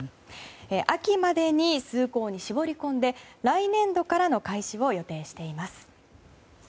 秋までに数校に絞り込んで来年度からの開始を予定しています。